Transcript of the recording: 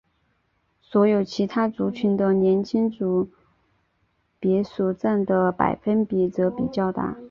所有其他族群的年轻组别所占的百分比则比较大。